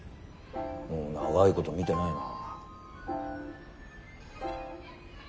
もう長いこと見てないな。